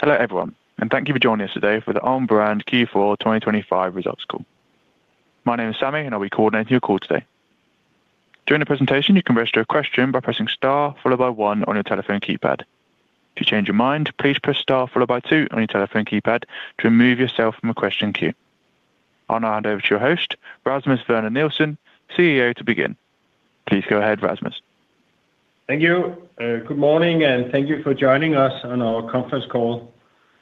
Hello, everyone, and thank you for joining us today for the Alm. Brand Q4 2025 results call. My name is Sammy, and I'll be coordinating your call today. During the presentation, you can register a question by pressing star followed by one on your telephone keypad. If you change your mind, please press star followed by two on your telephone keypad to remove yourself from the question queue. I'll now hand over to your host, Rasmus Werner Nielsen, CEO, to begin. Please go ahead, Rasmus. Thank you. Good morning, and thank you for joining us on our conference call.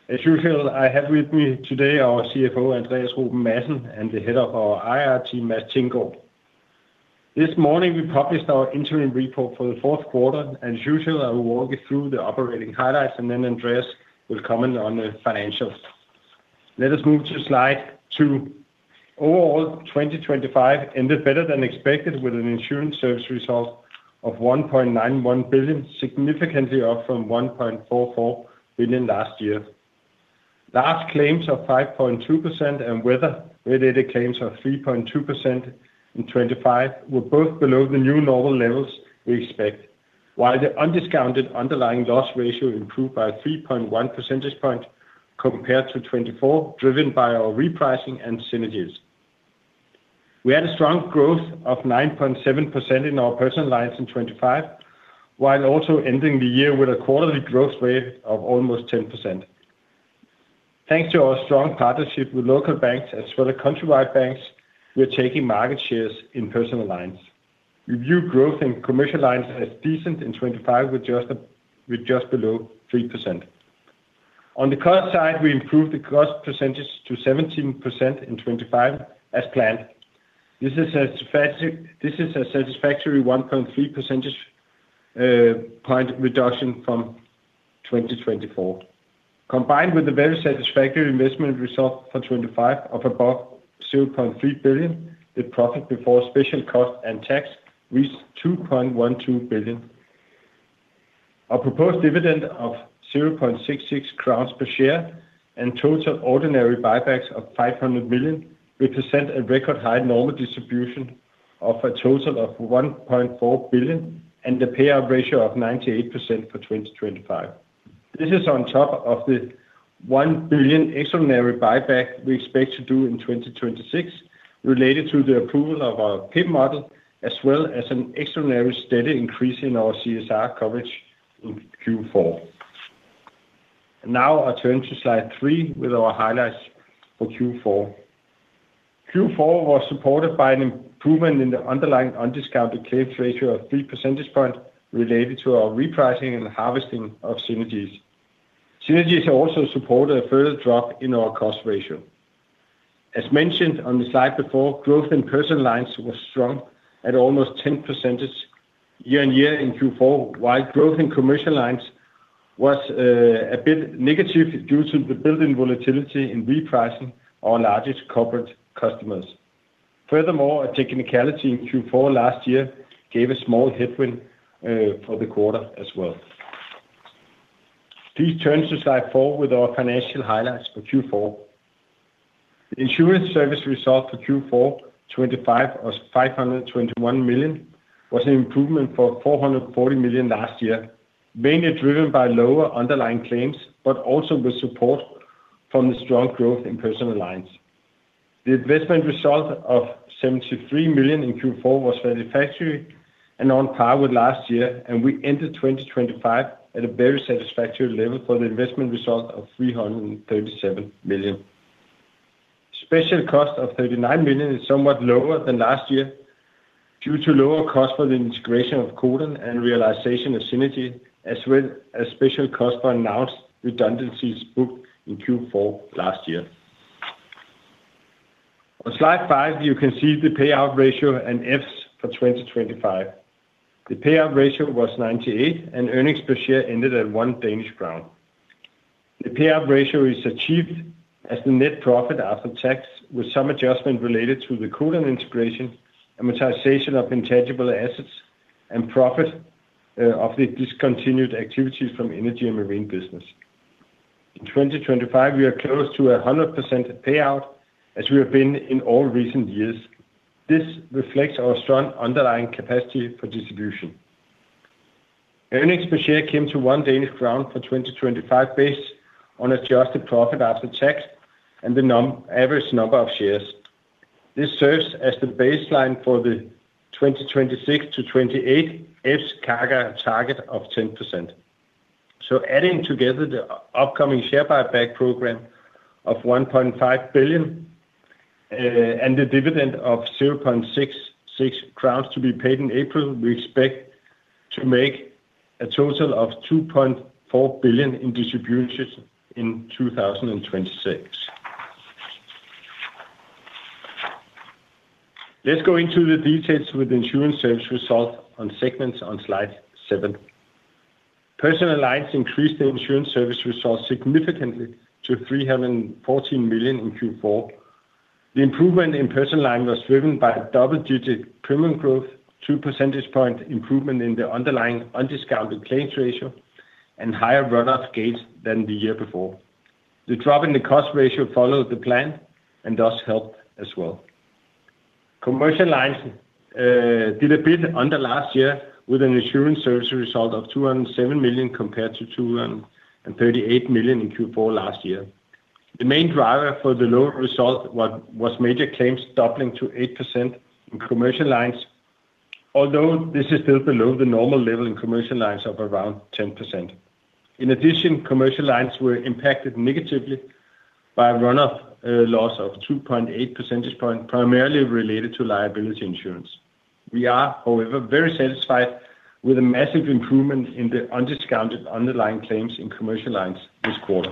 As you hear, I have with me today our CFO, Andreas Ruben Madsen, and the head of our IR team, Mads Thinggaard. This morning, we published our interim report for the Q4. As usual, I will walk you through the operating highlights, and then Andreas will comment on the financials. Let us move to slide two. Overall, 2025 ended better than expected, with an insurance service result of 1.91 billion, significantly up from 1.44 billion last year. Large claims of 5.2% and weather-related claims of 3.2% in 2025 were both below the new normal levels we expect, while the undiscounted underlying loss ratio improved by 3.1 percentage points compared to 2024, driven by our repricing and synergies. We had a strong growth of 9.7% in our Personal Lines in 2025, while also ending the year with a quarterly growth rate of almost 10%. Thanks to our strong partnership with local banks as well as countrywide banks, we are taking market shares in Personal Lines. We view growth in Commercial Lines as decent in 2025, with just below 3%. On the cost side, we improved the cost percentage to 17% in 2025 as planned. This is a satisfactory 1.3 percentage point reduction from 2024. Combined with a very satisfactory investment result for 2025 of above 0.3 billion, the profit before special cost and tax reached 2.12 billion. Our proposed dividend of 0.66 crowns per share and total ordinary buybacks of 500 million represent a record high normal distribution of a total of 1.4 billion, and the payout ratio of 98% for 2025. This is on top of the 1 billion extraordinary buyback we expect to do in 2026, related to the approval of our PIM, as well as an extraordinary steady increase in our SCR coverage in Q4. Now I turn to slide three with our highlights for Q4. Q4 was supported by an improvement in the underlying undiscounted claim ratio of three percentage points related to our repricing and harvesting of synergies. Synergies also supported a further drop in our cost ratio. As mentioned on the slide before, growth in Personal Lines was strong at almost 10% year-on-year in Q4, while growth in Commercial Lines was a bit negative due to the built-in volatility in repricing our largest corporate customers. Furthermore, a technicality in Q4 last year gave a small headwind for the quarter as well. Please turn to slide four with our financial highlights for Q4. The insurance service result for Q4 2025 was 521 million, was an improvement for 440 million last year, mainly driven by lower underlying claims, but also with support from the strong growth in Personal Lines. The investment result of 73 million in Q4 was satisfactory and on par with last year, and we ended 2025 at a very satisfactory level for the investment result of 337 million. Special cost of 39 million is somewhat lower than last year, due to lower cost for the integration of Codan and realization of synergy, as well as special cost for announced redundancies booked in Q4 last year. On slide five, you can see the payout ratio and EPS for 2025. The payout ratio was 98%, and earnings per share ended at 1 Danish crown. The payout ratio is achieved as the net profit after tax, with some adjustment related to the Codan integration, amortization of intangible assets, and profit of the discontinued activities from Energy and Marine business. In 2025, we are close to a 100% payout, as we have been in all recent years. This reflects our strong underlying capacity for distribution. Earnings per share came to 1 Danish crown for 2025, based on adjusted profit after tax and the average number of shares. This serves as the baseline for the 2026-2028 EPS CAGR target of 10%. So adding together the upcoming share buyback program of 1.5 billion, and the dividend of 0.66 crowns to be paid in April, we expect to make a total of 2.4 billion in distributions in 2026. Let's go into the details with the Insurance Service Result on segments on slide seven. Personal Lines increased the Insurance Service Result significantly to 314 million in Q4. The improvement in Personal Lines was driven by double-digit premium growth, two percentage point improvement in the underlying undiscounted claims ratio, and higher run-off gains than the year before. The drop in the cost ratio followed the plan and thus helped as well. Commercial Lines did a bit under last year with an Insurance Service Result of 207 million, compared to 238 million in Q4 last year. The main driver for the lower result was major claims doubling to 8% in Commercial Lines, although this is still below the normal level in Commercial Lines of around 10%. In addition, Commercial Lines were impacted negatively by a run-off loss of 2.8 percentage points, primarily related to liability insurance. We are, however, very satisfied with a massive improvement in the undiscounted underlying claims in Commercial Lines this quarter.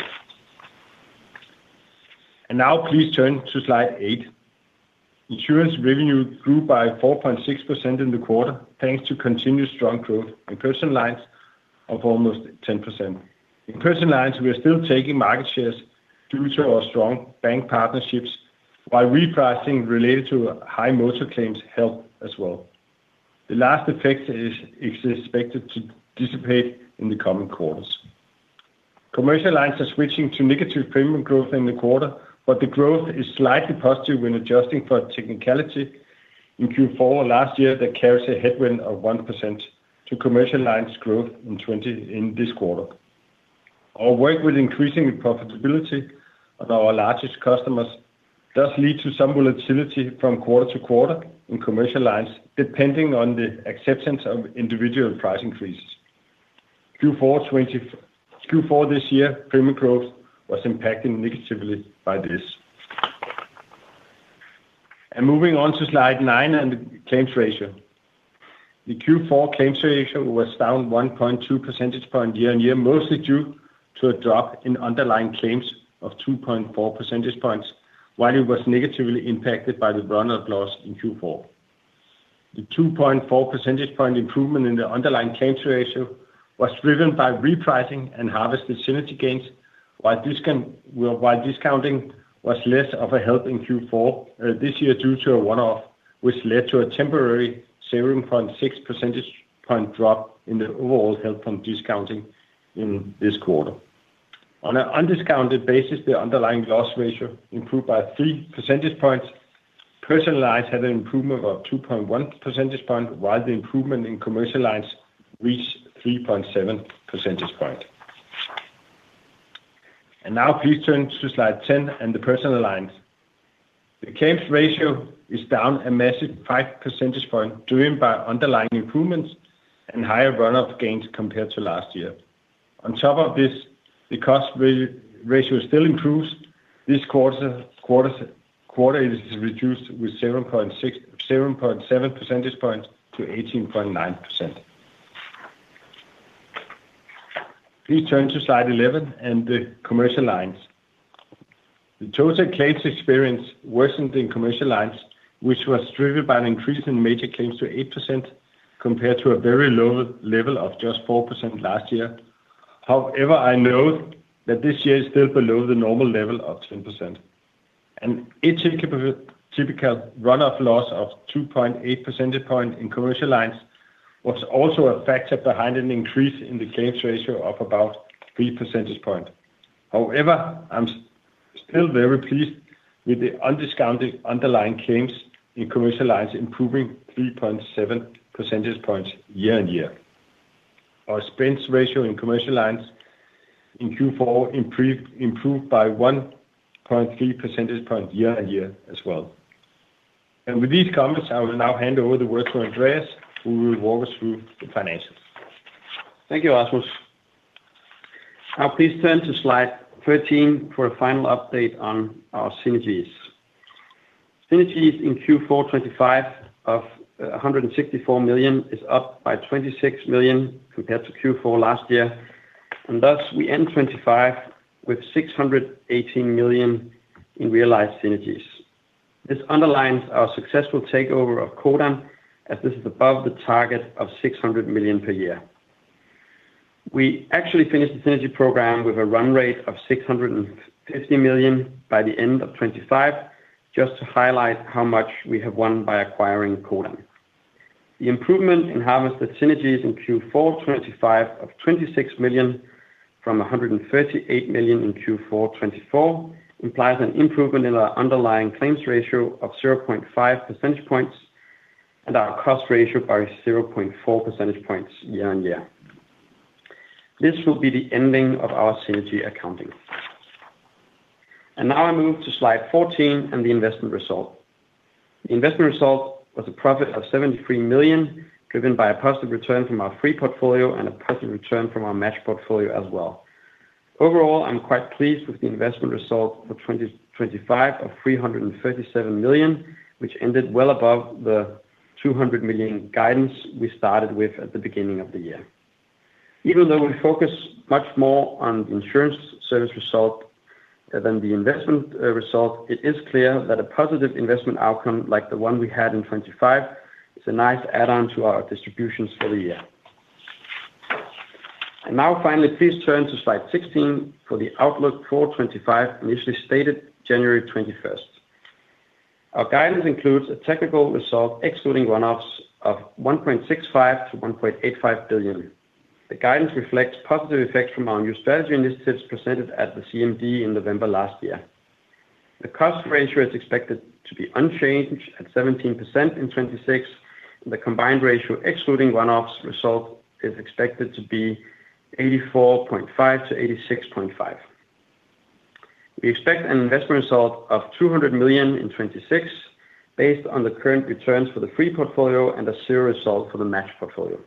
And now please turn to slide eight. Insurance revenue grew by 4.6% in the quarter, thanks to continued strong growth in Personal Lines of almost 10%. In Personal Lines, we are still taking market shares due to our strong bank partnerships, while repricing related to high Motor claims helped as well. The last effect is expected to dissipate in the coming quarters. Commercial Lines are switching to negative premium growth in the quarter, but the growth is slightly positive when adjusting for technicality in Q4 last year that carries a headwind of 1% to Commercial Lines growth in 2024 in this quarter. Our work with increasing the profitability of our largest customers does lead to some volatility from quarter to quarter in Commercial Lines, depending on the acceptance of individual price increases. Q4 2024, Q4 this year, premium growth was impacted negatively by this. And moving on to slide nine and the claims ratio. The Q4 claims ratio was down 1.2 percentage point year-on-year, mostly due to a drop in underlying claims of 2.4 percentage points, while it was negatively impacted by the run-off loss in Q4. The 2.4 percentage point improvement in the underlying claims ratio was driven by repricing and harvested synergy gains, while discounting was less of a help in Q4 this year, due to a one-off, which led to a temporary 7.6 percentage point drop in the overall help from discounting in this quarter. On an undiscounted basis, the underlying loss ratio improved by three percentage points. Personal Lines had an improvement of 2.1 percentage point, while the improvement in Commercial Lines reached 3.7 percentage point. And now please turn to slide 10 and the Personal Lines. The claims ratio is down a massive 5 percentage points, driven by underlying improvements and higher run-off gains compared to last year. On top of this, the cost ratio still improves. This quarter is reduced with 7.7 percentage points to 18.9%. Please turn to slide 11 and the Commercial Lines. The total claims experience worsened in Commercial Lines, which was driven by an increase in major claims to 8%, compared to a very lower level of just 4% last year. However, I know that this year is still below the normal level of 10%. And each typical run-off loss of 2.8 percentage points in Commercial Lines was also a factor behind an increase in the claims ratio of about 3 percentage points. However, I'm still very pleased with the undiscounted underlying claims in Commercial Lines, improving 3.7 percentage points year-on-year. Our expense ratio in Commercial Lines in Q4 improved by 1.3 percentage point year-on-year as well. With these comments, I will now hand over the word to Andreas, who will walk us through the finances. Thank you, Rasmus. Now please turn to slide 13 for a final update on our synergies. Synergies in Q4 2025 of 164 million is up by 26 million compared to Q4 last year, and thus we end 2025 with 618 million in realized synergies. This underlines our successful takeover of Codan, as this is above the target of 600 million per year. We actually finished the synergy program with a run rate of 650 million by the end of 2025, just to highlight how much we have won by acquiring Codan. The improvement in harvested synergies in Q4 2025 of 26 million from 138 million in Q4 2024, implies an improvement in our underlying claims ratio of 0.5 percentage points, and our cost ratio by 0.4 percentage points year-on-year. This will be the ending of our synergy accounting. Now I move to slide 14 and the investment result. The investment result was a profit of 73 million, driven by a positive return from our free portfolio and a positive return from our match portfolio as well. Overall, I'm quite pleased with the investment result for 2025 of 337 million, which ended well above the 200 million guidance we started with at the beginning of the year. Even though we focus much more on the insurance service result than the investment result, it is clear that a positive investment outcome, like the one we had in 2025, is a nice add-on to our distributions for the year. Now finally, please turn to slide 16 for the outlook for 2025, initially stated January 21st. Our guidance includes a technical result, excluding run-offs, of 1.65 billion-1.85 billion. The guidance reflects positive effects from our new strategy initiatives presented at the CMD in November last year. The cost ratio is expected to be unchanged at 17% in 2026, and the combined ratio, excluding one-offs result, is expected to be 84.5-86.5. We expect an investment result of 200 million in 2026, based on the current returns for the free portfolio and a zero result for the match portfolio.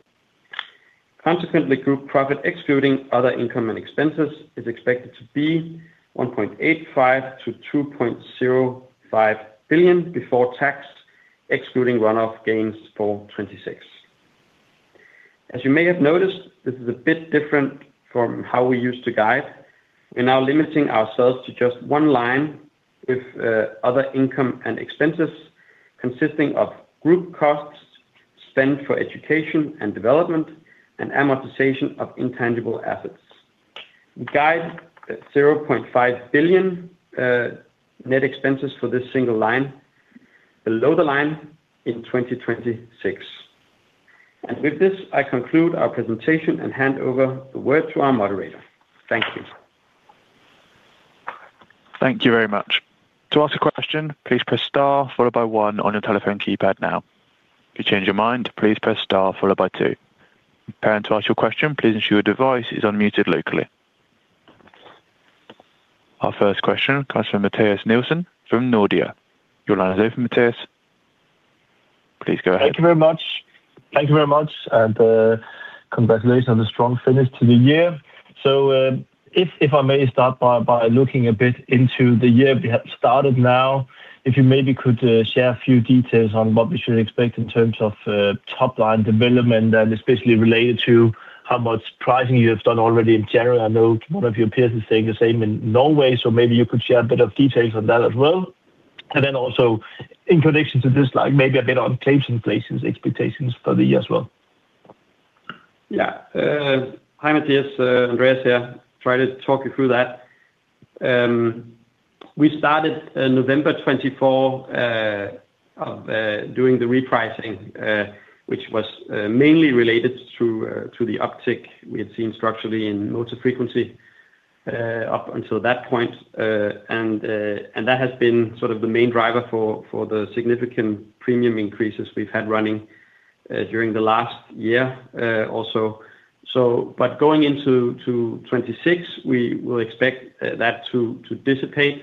Consequently, group profit, excluding other income and expenses, is expected to be 1.85 billion-2.05 billion before tax, excluding one-off gains for 2026. As you may have noticed, this is a bit different from how we used to guide. We're now limiting ourselves to just one line with other income and expenses, consisting of group costs, spend for education and development, and amortization of intangible assets. We guide at 0.5 billion net expenses for this single line, below the line in 2026. And with this, I conclude our presentation and hand over the word to our moderator. Thank you. Thank you very much. To ask a question, please press star followed by one on your telephone keypad now. If you change your mind, please press star followed by two. Preparing to ask your question, please ensure your device is unmuted locally. Our first question comes from Mathias Nielsen from Nordea. Your line is open, Mathias. Please go ahead. Thank you very much. Thank you very much, and, congratulations on the strong finish to the year. So, if I may start by looking a bit into the year we have started now, if you maybe could share a few details on what we should expect in terms of top line development, and especially related to how much pricing you have done already in general. I know one of your peers is saying the same in Norway, so maybe you could share a bit of details on that as well. And then also in connection to this, like maybe a bit on claims in places, expectations for the year as well. Yeah. Hi, Mathias, Andreas here. Try to talk you through that. We started in November 2024, of, doing the repricing, which was, mainly related through, through the uptick we had seen structurally in motor frequency, up until that point. And, and that has been sort of the main driver for, for the significant premium increases we've had running, during the last year, also. So but going into to 2026, we will expect, that to, to dissipate.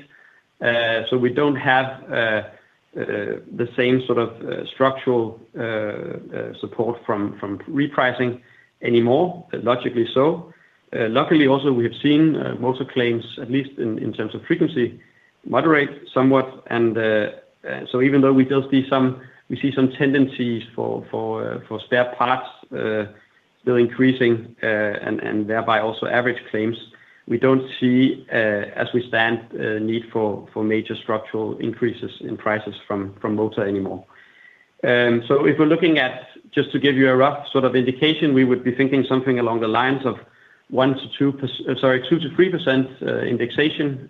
So we don't have, the same sort of, structural, support from, from repricing anymore, logically so. Luckily, also, we have seen, motor claims, at least in, in terms of frequency, moderate somewhat. Even though we still see some—we see some tendencies for spare parts still increasing, and thereby also average claims, we don't see, as we stand, need for major structural increases in prices from motor anymore. So if we're looking at, just to give you a rough sort of indication, we would be thinking something along the lines of 1%-2%—sorry, 2%-3% indexation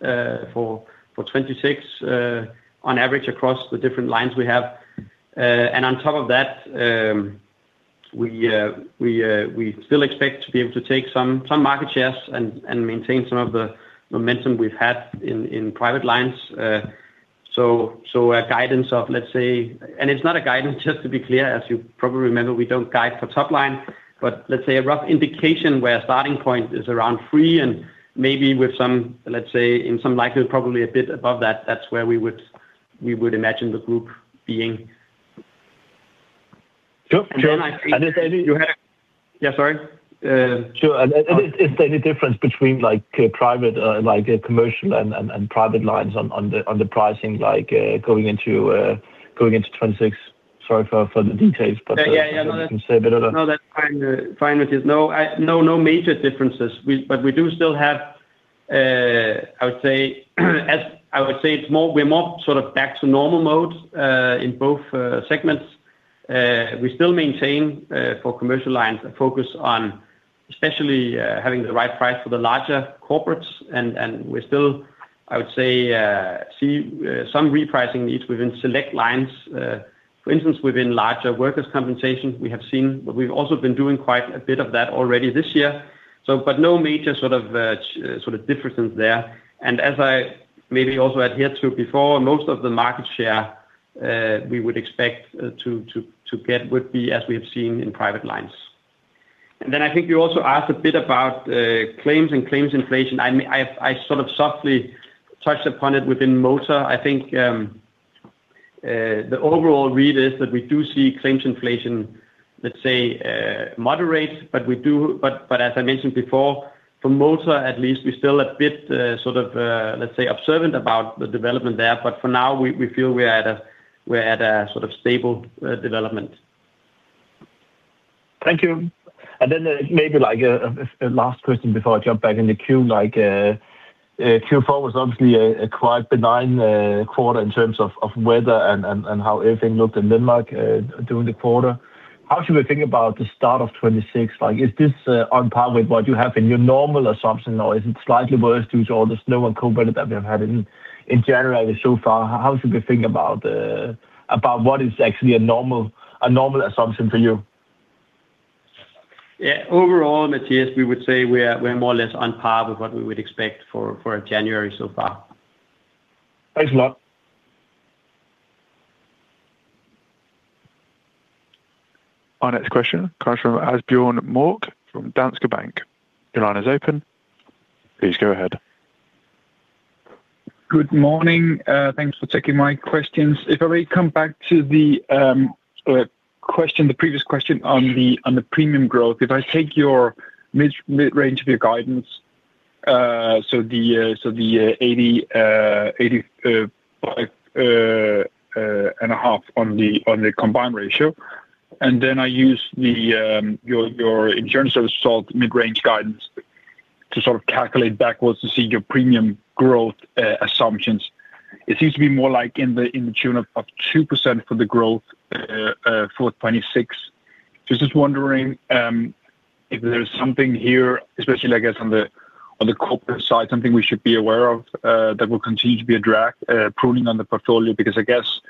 for 2026, on average across the different lines we have. And on top of that, we still expect to be able to take some market shares and maintain some of the momentum we've had in private lines. So, a guidance of, let's say. And it's not a guidance, just to be clear, as you probably remember, we don't guide for top line, but let's say a rough indication where a starting point is around 3%, and maybe with some, let's say, in some likelihood, probably a bit above that, that's where we would, we would imagine the group being. Sure. And then I- Are there any you had? Yeah, sorry. Sure. And is there any difference between like private like commercial and private lines on the pricing like going into 2026? Sorry for the details, but- Yeah, yeah. You can say a bit of that. No, that's fine. Fine, which is no, no major differences. But we do still have, I would say, as I would say, it's more, we're more sort of back to normal mode, in both segments. We still maintain, for Commercial Lines, a focus on especially having the right price for the larger corporates, and we're still, I would say, see some repricing needs within select lines. For instance, within larger workers' compensation, we have seen, but we've also been doing quite a bit of that already this year. So, but no major sort of differences there. And as I maybe also alluded to before, most of the market share we would expect to get would be, as we have seen in Personal Lines. And then I think you also asked a bit about claims and claims inflation. I mean, I sort of softly touched upon it within Motor. I think the overall read is that we do see claims inflation, let's say, moderate, but as I mentioned before, for Motor, at least, we're still a bit sort of, let's say, observant about the development there. But for now, we feel we're at a sort of stable development. Thank you. And then maybe like a last question before I jump back in the queue. Like, Q4 was obviously a quite benign quarter in terms of weather and how everything looked in Denmark during the quarter. How should we think about the start of 2026? Like, is this on par with what you have in your normal assumption, or is it slightly worse due to all the snow and cold weather that we have had in January so far? How should we think about what is actually a normal assumption for you? Yeah, overall, Mathias, we would say we are, we're more or less on par with what we would expect for, for January so far. Thanks a lot. Our next question comes from Asbjørn Mørk from Danske Bank. Your line is open. Please go ahead. Good morning. Thanks for taking my questions. If I may come back to the question, the previous question on the premium growth. If I take your mid-range of your guidance, so the 85.5 on the combined ratio, and then I use your insurance service result mid-range guidance to sort of calculate backwards to see your premium growth assumptions. It seems to be more like to the tune of 2% for the growth for 2026. Just wondering if there's something here, especially, I guess, on the corporate side, something we should be aware of that will continue to be a drag on the portfolio? Because I guess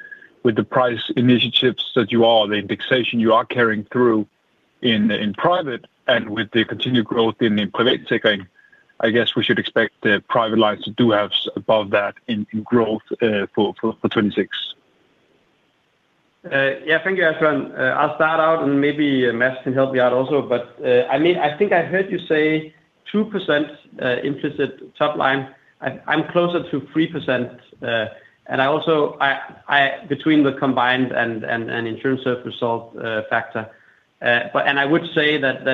with the price initiatives that you are, the indexation you are carrying through in private, and with the continued growth in the private sector, I guess we should expect the private lines to do halves above that in growth for 2026. Yeah, thank you, Asbjørn. I'll start out, and maybe Mads can help me out also. But, I mean, I think I heard you say 2%, implicit top line. I'm closer to 3%, and I also—I between the combined and insurance service result factor. But I would say that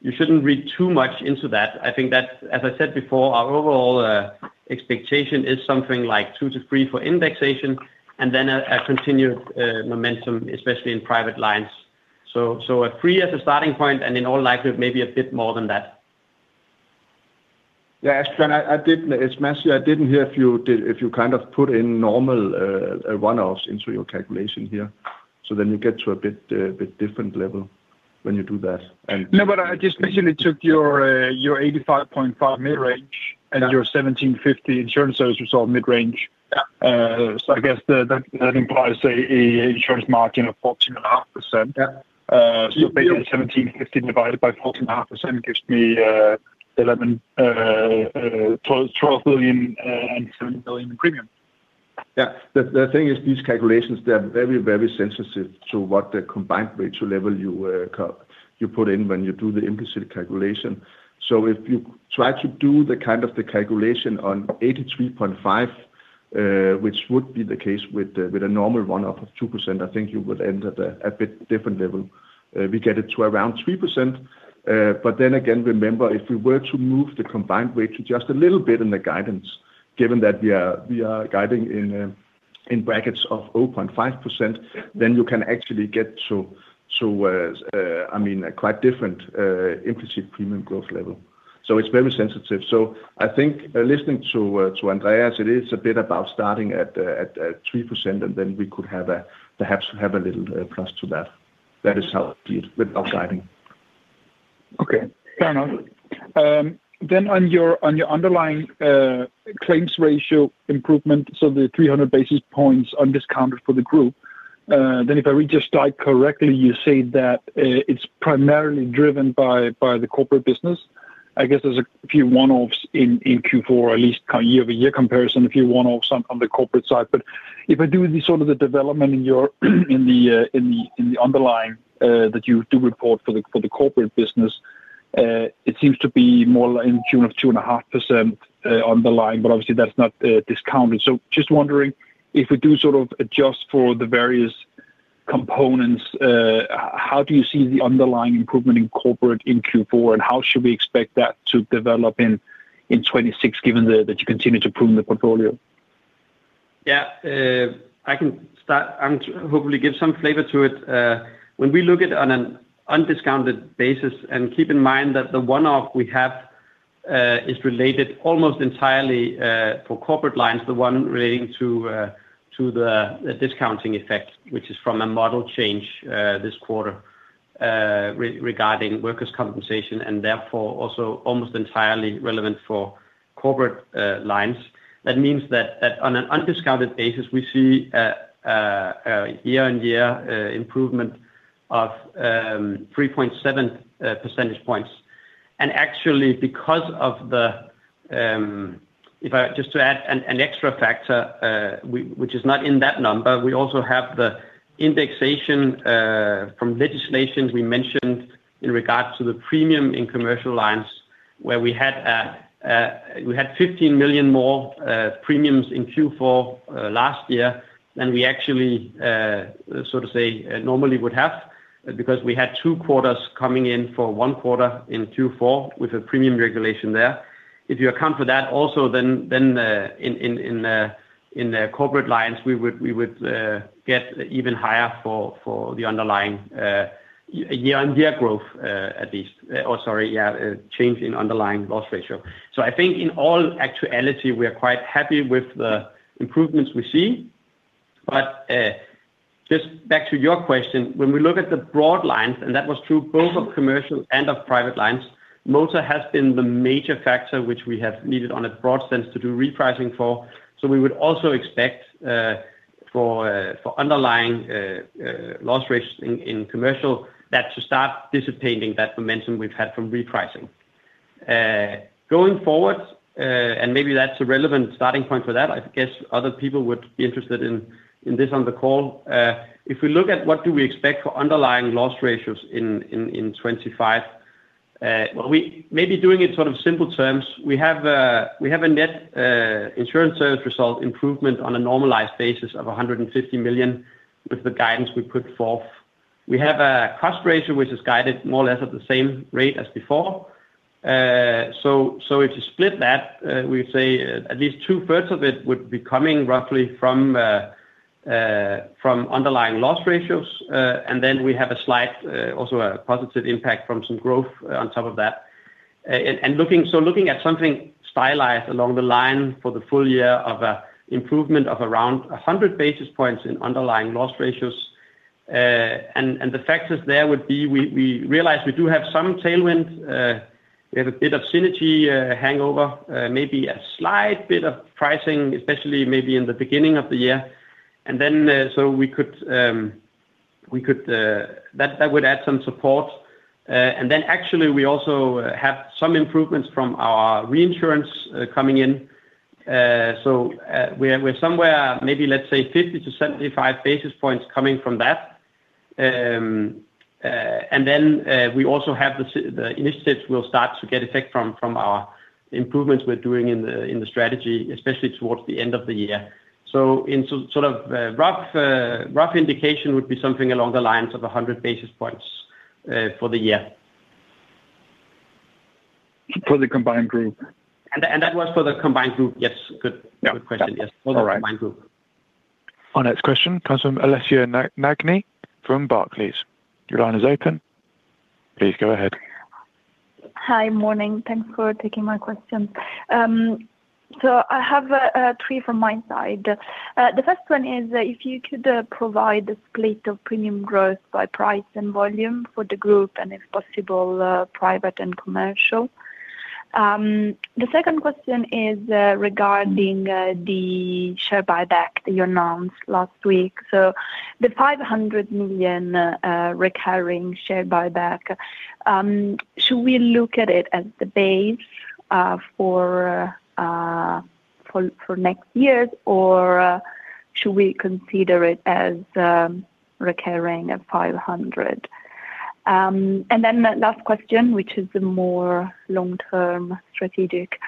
you shouldn't read too much into that. I think that, as I said before, our overall expectation is something like 2%-3% for indexation, and then a continued momentum, especially in private lines. So, a 3% as a starting point, and in all likelihood, maybe a bit more than that. Yeah, Asbjørn, I did. It's Mads here. I didn't hear if you did, if you kind of put in normal runoffs into your calculation here. So then you get to a bit different level when you do that, and No, but I just basically took your, your 85.5 mid-range- Yeah. and your 1.75 billion insurance as a result, mid-range. Yeah. So I guess that implies an insurance margin of 14.5%. Yeah. So basically 1,750 divided by 14.5% gives me 11 billion-12 billion and 7 billion in premium. Yeah. The thing is, these calculations, they are very, very sensitive to what the combined ratio level you put in when you do the implicit calculation. So if you try to do the kind of the calculation on 83.5, which would be the case with a normal runoff of 2%, I think you would end at a bit different level. We get it to around 3%, but then again, remember, if we were to move the combined rate to just a little bit in the guidance, given that we are guiding in brackets of 0.5%, then you can actually get to, I mean, a quite different implicit premium growth level. So it's very sensitive. So I think, listening to Andreas, it is a bit about starting at 3%, and then we could perhaps have a little plus to that. That is how it with our guidance. Okay, fair enough. Then on your, on your underlying claims ratio improvement, so the 300 basis points on discounted for the group, then if I read your slide correctly, you say that it's primarily driven by, by the corporate business. I guess there's a few one-offs in, in Q4, or at least year-over-year comparison, a few one-offs on, on the corporate side. But if I do the sort of the development in your, in the, in the underlying that you do report for the, for the corporate business, it seems to be more in tune of 2.5%, underlying, but obviously that's not discounted. So just wondering, if we do sort of adjust for the various components, how do you see the underlying improvement in corporate in Q4, and how should we expect that to develop in 2026, given that you continue to prune the portfolio? Yeah, I can start and hopefully give some flavor to it. When we look at on an undiscounted basis, and keep in mind that the one-off we have is related almost entirely for corporate lines, the one relating to the discounting effect, which is from a model change this quarter regarding workers' compensation, and therefore, also almost entirely relevant for corporate lines. That means that on an undiscounted basis, we see a year-on-year improvement of 3.7 percentage points. And actually, because of the.. If I just to add an extra factor, which is not in that number, we also have the indexation from legislations we mentioned in regards to the premium in Commercial Lines, where we had we had 15 million more premiums in Q4 last year than we actually so to say normally would have, because we had two quarters coming in for one quarter in Q4 with a premium regulation there. If you account for that also, then in the corporate lines, we would we would get even higher for for the underlying year-on-year growth at least. Oh, sorry, yeah, change in underlying loss ratio. So I think in all actuality, we are quite happy with the improvements we see. But, just back to your question, when we look at the broad lines, and that was true both of commercial and of private lines, motor has been the major factor which we have needed on a broad sense to do repricing for. So we would also expect for underlying loss rates in commercial, that should start dissipating that momentum we've had from repricing. Going forward, and maybe that's a relevant starting point for that. I guess other people would be interested in this on the call. If we look at what do we expect for underlying loss ratios in 2025, well, we may be doing it sort of simple terms. We have, we have a net insurance service result improvement on a normalized basis of 150 million, with the guidance we put forth. We have a cost ratio, which is guided more or less at the same rate as before. So, so if you split that, we say at least two-thirds of it would be coming roughly from, from underlying loss ratios. And then we have a slight, also a positive impact from some growth on top of that. And looking at something stylized along the line for the full year of improvement of around 100 basis points in underlying loss ratios, and the factors there would be we realize we do have some tailwind, we have a bit of synergy hangover, maybe a slight bit of pricing, especially maybe in the beginning of the year. And then, so we could, that would add some support. And then actually, we also have some improvements from our reinsurance coming in. So, we're somewhere, maybe let's say 50-75 basis points coming from that. And then, we also have the initiatives will start to get effect from our improvements we're doing in the strategy, especially towards the end of the year. So, sort of rough indication would be something along the lines of 100 basis points for the year. For the combined group? And that was for the combined group. Yes. Good. Yeah. Good question. Yes. All right. For the combined group. Our next question comes from Alessia Magni from Barclays. Your line is open. Please go ahead. Hi. Morning. Thanks for taking my question. So I have three from my side. The first one is if you could provide the split of premium growth by price and volume for the group, and if possible, private and commercial. The second question is regarding the share buyback that you announced last week. So the 500 million recurring share buyback, should we look at it as the base for next year? Or should we consider it as recurring at 500 million? And then the last question, which is the more long-term strategic,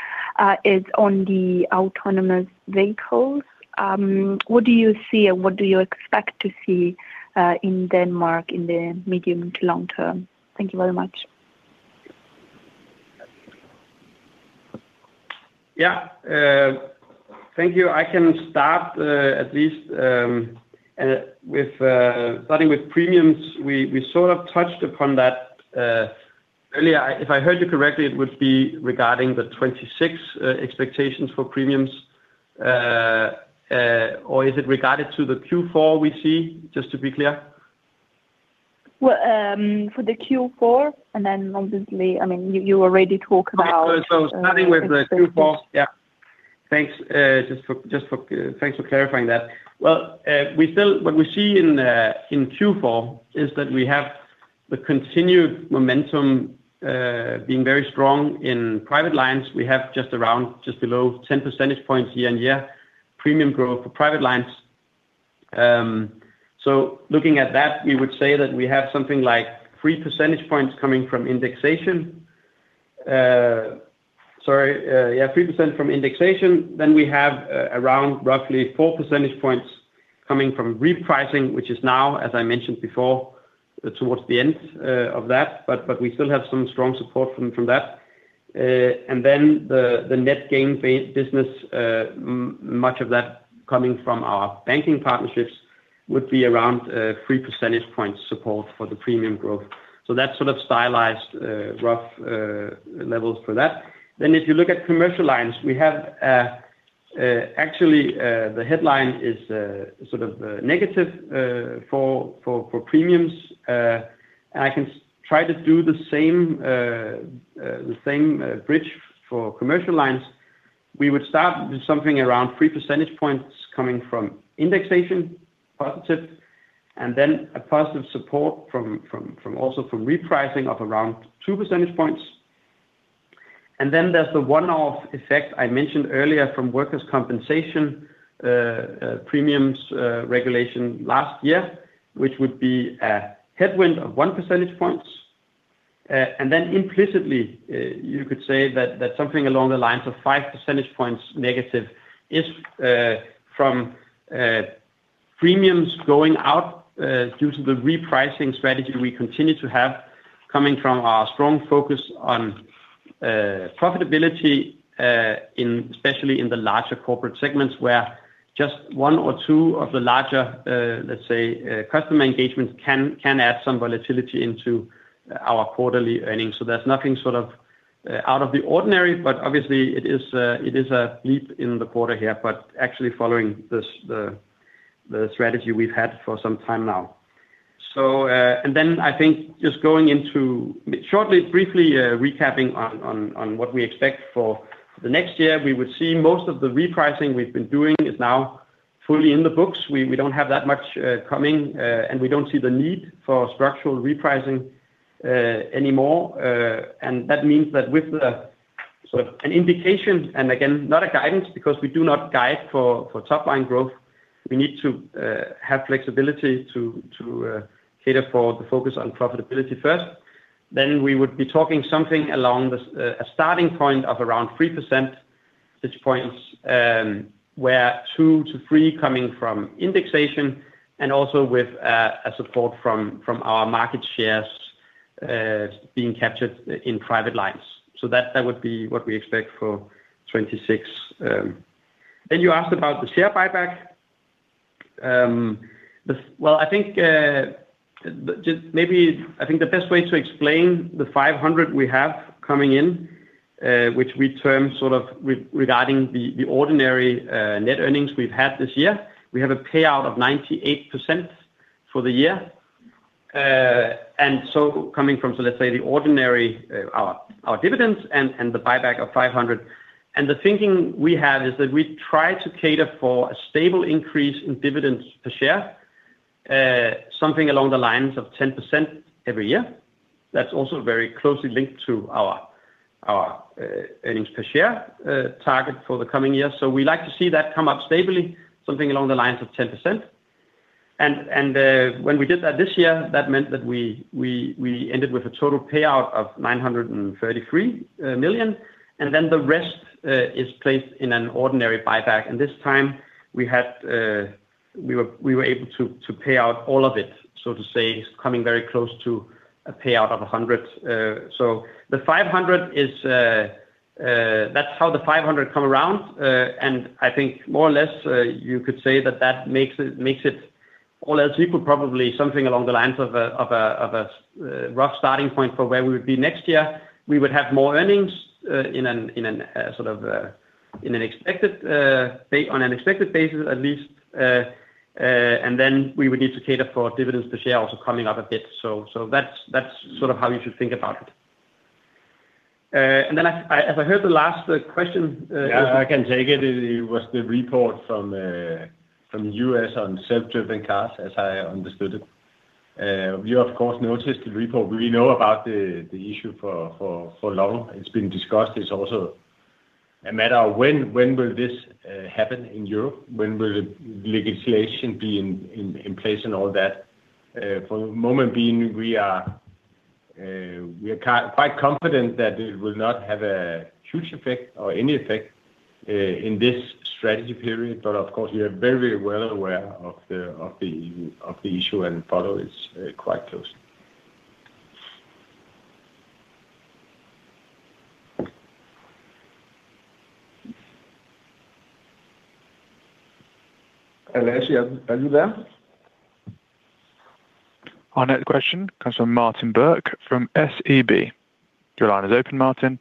is on the autonomous vehicles. What do you see and what do you expect to see in Denmark in the medium to long term? Thank you very much. Yeah, thank you. I can start, at least, with starting with premiums. We sort of touched upon that earlier. If I heard you correctly, it would be regarding the 2026 expectations for premiums, or is it regarded to the Q4 we see, just to be clear? Well, for the Q4, and then obviously, I mean, you, you already talked about- Starting with the Q4. Thanks for clarifying that. Well, what we see in Q4 is that we have the continued momentum being very strong in private lines. We have just below 10 percentage points year-on-year premium growth for private lines. So looking at that, we would say that we have something like 3 percentage points coming from indexation. Sorry, yeah, 3% from indexation. Then we have around roughly 4 percentage points coming from repricing, which is now, as I mentioned before, towards the end of that, but we still have some strong support from that. And then the net gain business, much of that coming from our banking partnerships would be around 3 percentage points support for the premium growth. So that's sort of stylized, rough levels for that. Then if you look at Commercial Lines, we have actually the headline is sort of negative for premiums. And I can try to do the same bridge for Commercial Lines. We would start with something around 3 percentage points coming from indexation, positive, and then a positive support from also from repricing of around 2 percentage points. And then there's the one-off effect I mentioned earlier from Workers' Compensation premiums regulation last year, which would be a headwind of 1 percentage points. And then implicitly, you could say that that's something along the lines of 5 percentage points negative from premiums going out due to the repricing strategy we continue to have, coming from our strong focus on profitability in especially in the larger corporate segments. Where just one or two of the larger, let's say, customer engagements can add some volatility into our quarterly earnings. So there's nothing sort of out of the ordinary, but obviously it is a leap in the quarter here, but actually following this, the strategy we've had for some time now. So, and then I think just going into, shortly, briefly, recapping on what we expect for the next year. We would see most of the repricing we've been doing is now fully in the books. We, we don't have that much coming, and we don't see the need for structural repricing anymore. That means that with the sort of an indication, and again, not a guidance, because we do not guide for top line growth. We need to have flexibility to cater for the focus on profitability first. Then we would be talking something along the, a starting point of around 3%, which points where 2-3 coming from indexation, and also with a support from our market shares being captured in private lines. So that would be what we expect for 2026. Then you asked about the share buyback. Well, I think just maybe I think the best way to explain the 500 million we have coming in, which we term sort of regarding the ordinary net earnings we've had this year. We have a payout of 98% for the year. And so coming from, so let's say, the ordinary our our dividends and the buyback of 500 million. The thinking we have is that we try to cater for a stable increase in dividends per share, something along the lines of 10% every year. That's also very closely linked to our our earnings per share target for the coming year. So we like to see that come up stably, something along the lines of 10%. When we did that this year, that meant that we ended with a total payout of 933 million, and then the rest is placed in an ordinary buyback. This time we had, we were able to pay out all of it, so to say, coming very close to a payout of 100%. So the 500 is, that's how the 500 come around. And I think more or less, you could say that that makes it all else equal, probably something along the lines of a rough starting point for where we would be next year. We would have more earnings in an expected basis, at least. And then we would need to cater for dividends per share also coming up a bit. So that's sort of how you should think about it. And then I have heard the last question? Yeah, I can take it. It was the report from the US on self-driven cars, as I understood it. We of course noticed the report. We know about the issue for long. It's been discussed. It's also a matter of when will this happen in Europe? When will the legislation be in place and all that? For the moment being, we are quite confident that it will not have a huge effect or any effect in this strategy period. But of course, we are very well aware of the issue and follow it quite closely. Andreas, are you there? Our next question comes from Martin Birk from SEB. Your line is open, Martin.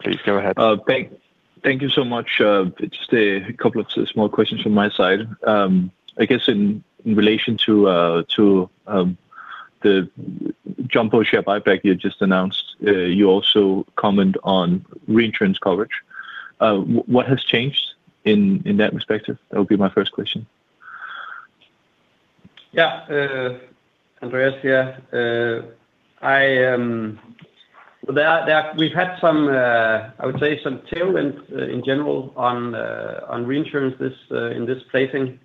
Please go ahead. Thank you so much. Just a couple of small questions from my side. I guess in relation to the jump or share buyback you just announced, you also comment on reinsurance coverage. What has changed in that respect? That would be my first question. Yeah. Andreas here. We've had some, I would say some tailwind in general on on reinsurance this in this placing.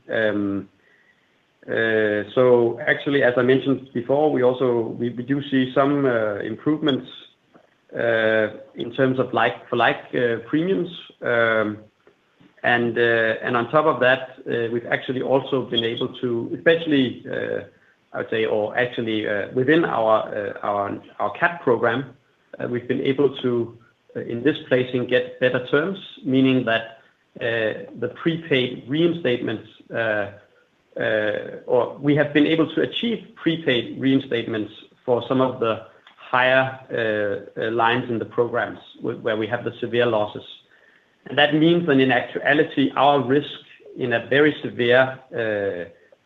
So actually, as I mentioned before, we also, we do see some improvements in terms of like, for like premiums. And on top of that, we've actually also been able to, especially, I would say, or actually, within our CAP program, we've been able to, in this placing, get better terms, meaning that, the prepaid reinstatements, or we have been able to achieve prepaid reinstatements for some of the higher lines in the programs where we have the severe losses. And that means when in actuality, our risk in a very severe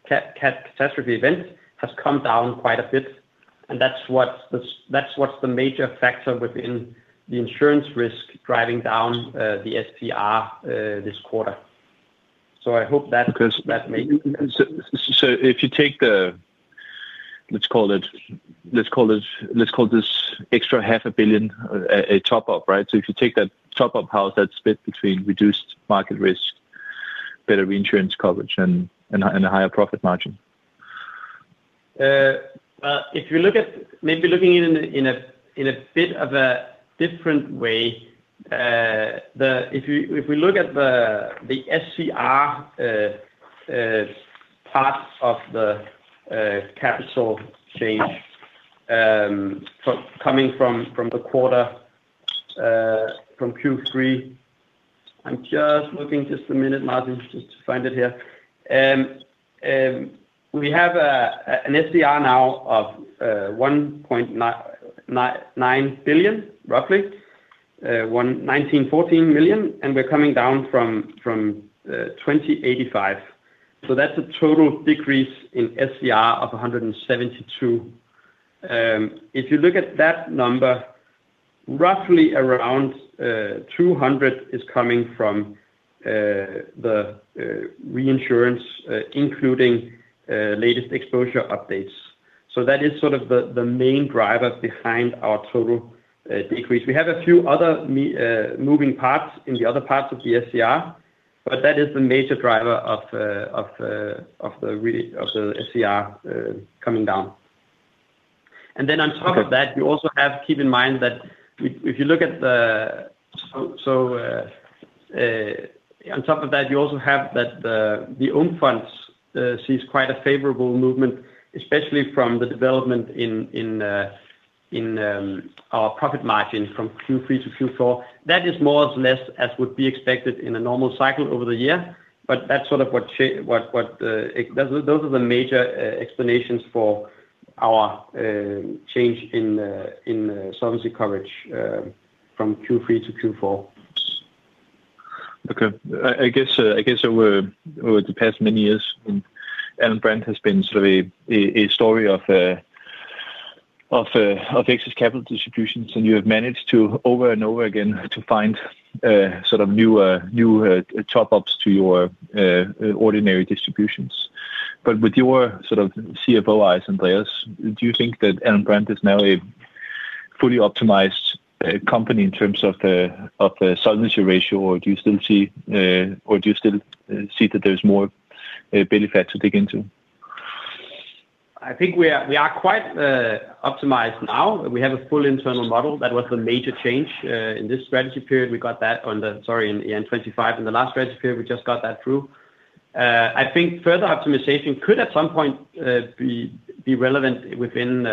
catastrophe event has come down quite a bit, and that's what's the major factor within the insurance risk, driving down the SCR this quarter. So I hope that makes- So, so if you take the, let's call it, let's call it, this extra 500 million, a top up, right? So if you take that top up, how is that split between reduced market risk, better reinsurance coverage, and a higher profit margin? If you look at it in a bit of a different way, if we look at the SCR, part of the capital change from the quarter, from Q3. I'm just looking just a minute, Martin, just to find it here. We have an SCR now of 1.99 billion, roughly. 1,914 million, and we're coming down from 2,085 million. So that's a total decrease in SCR of 172 million. If you look at that number, roughly around 200 million is coming from the reinsurance, including latest exposure updates. So that is sort of the main driver behind our total decrease. We have a few other moving parts in the other parts of the SCR, but that is the major driver of the SCR coming down. And then on top of that, you also have to keep in mind that the own funds sees quite a favorable movement, especially from the development in our profit margins from Q3 to Q4. That is more or less as would be expected in a normal cycle over the year, but that's sort of what those are the major explanations for our change in solvency coverage from Q3 to Q4. Okay. I guess over the past many years, Alm. Brand has been sort of a story of excess capital distributions, and you have managed to, over and over again, to find sort of new top ups to your ordinary distributions. But with your sort of CFO eyes and layers, do you think that Alm. Brand is now a fully optimized company in terms of the solvency ratio? Or do you still see that there's more benefit to dig into? I think we are quite optimized now. We have a full internal model. That was the major change. In this strategy period, we got that on the, Sorry, in 2025. In the last strategy period, we just got that through. I think further optimization could, at some point, be relevant within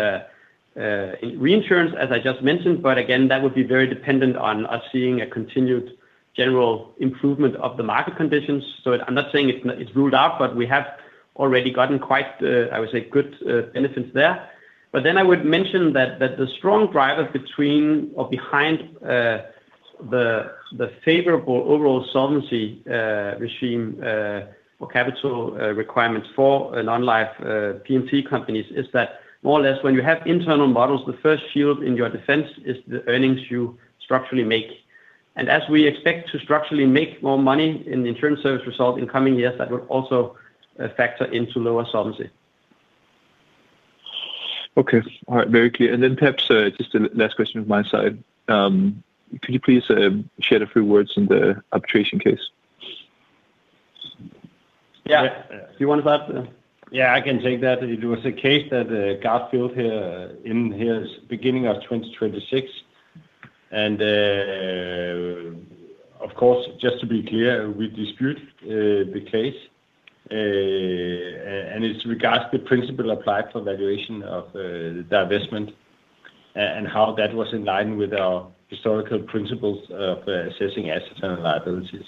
the reinsurance, as I just mentioned, but again, that would be very dependent on us seeing a continued general improvement of the market conditions. So I'm not saying it's ruled out, but we have already gotten quite, I would say, good benefits there. But then I would mention that, that the strong driver between or behind, the favorable overall solvency regime, or capital requirements for a non-life PIM companies, is that more or less when you have internal models, the first shield in your defense is the earnings you structurally make. And as we expect to structurally make more money in the insurance service result in coming years, that will also factor into lower solvency. Okay, all right. Very clear. And then perhaps, just a last question on my side. Could you please share a few words on the arbitration case? Yeah. Do you want that? Yeah, I can take that. It was a case that Gard hearings in his beginning of 2026. Of course, just to be clear, we dispute the case, and it regards the principle applied for valuation of the divestment, and how that was in line with our historical principles of assessing assets and liabilities.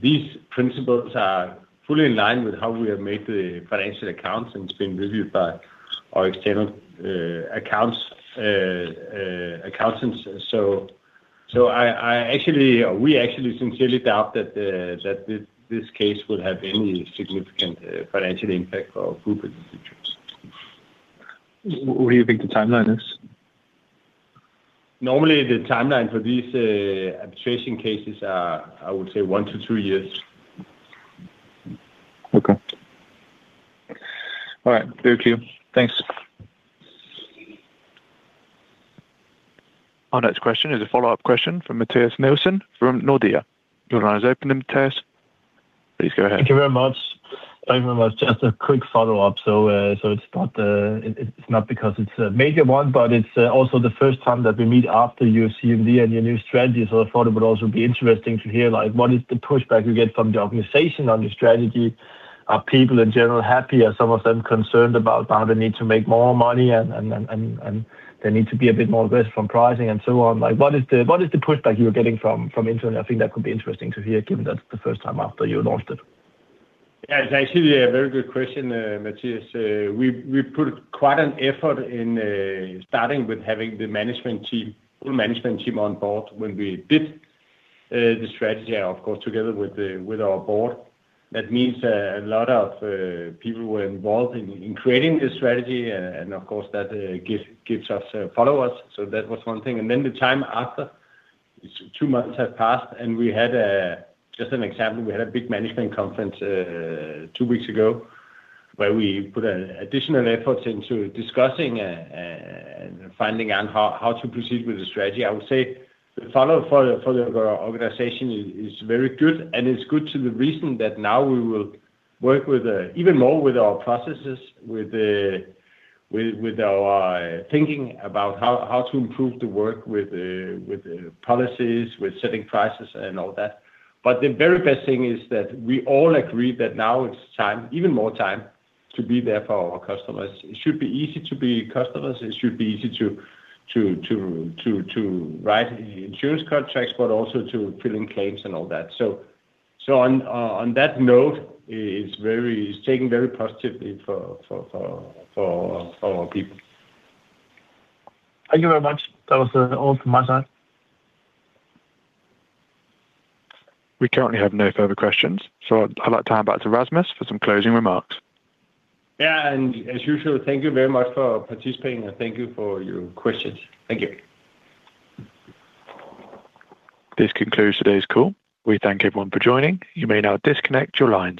These principles are fully in line with how we have made the financial accounts, and it's been reviewed by our external accountants. So, we actually sincerely doubt that this case will have any significant financial impact for group insurance. What do you think the timeline is? Normally, the timeline for these arbitration cases are, I would say, 1-3 years. Okay. All right, thank you. Thanks. Our next question is a follow-up question from Mathias Nielsen from Nordea. Your line is open, Mathias. Please go ahead. Thank you very much. Thank you very much. Just a quick follow-up. So, so it's not, it, it's not because it's a major one, but it's also the first time that we meet after you've seen the and your new strategy. So I thought it would also be interesting to hear, like, what is the pushback you get from the organization on your strategy? Are people in general happy, or some of them concerned about now they need to make more money and, and, and, and, and they need to be a bit more aggressive from pricing and so on? Like, what is the, what is the pushback you are getting from, from internal? I think that could be interesting to hear, given that's the first time after you launched it. Yeah, it's actually a very good question, Mathias. We, we put quite an effort in, starting with having the management team, full management team on board when we did, the strategy, of course, together with the, with our board. That means a lot of, people were involved in, in creating this strategy, and of course, that, give, gives us followers. So that was one thing. And then the time after, two months have passed, and we had a just an example, we had a big management conference, two weeks ago, where we put additional efforts into discussing, and finding out how, how to proceed with the strategy. I would say the follow-up for the organization is very good, and it's good to the reason that now we will work with even more with our processes, with our thinking about how to improve the work with the policies, with setting prices and all that. But the very best thing is that we all agree that now it's time, even more time, to be there for our customers. It should be easy to be customers. It should be easy to write insurance contracts, but also to fill in claims and all that. So on that note, it's taken very positively for our people. Thank you very much. That was all from my side. We currently have no further questions, so I'd like to hand back to Rasmus for some closing remarks. Yeah, and as usual, thank you very much for participating, and thank you for your questions. Thank you. This concludes today's call. We thank everyone for joining. You may now disconnect your lines.